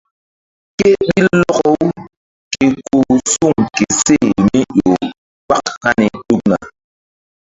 Ké ɓil lɔkɔ-u ke ko suŋ ke seh mí ƴo kpak hani ɗukna.